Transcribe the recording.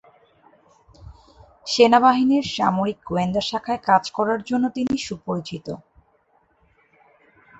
সেনাবাহিনীর সামরিক গোয়েন্দা শাখায় কাজ করার জন্য তিনি সুপরিচিত।